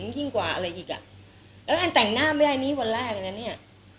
ยิ่งกว่าอะไรอีกอ่ะแล้วอันแต่งหน้าไม่ได้นี่วันแรกเลยนะเนี่ย